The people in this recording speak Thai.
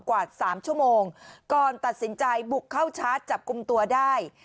กว่าสามชั่วโมงก่อนตัดสินใจบุกเข้าชาร์จจับกลุ่มตัวได้